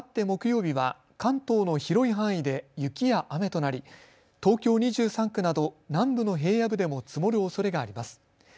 木曜日は関東の広い範囲で雪や雨となり東京２３区など南部の平野部でも積もるおそれがあります。